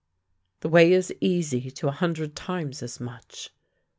" The way is easy to a hun dred times as much!